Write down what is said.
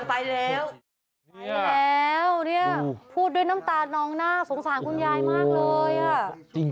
ไปแล้วนี่พูดด้วยน้ำตาลนองหน้าสงสารคุณยายมากเลยโอ้โฮ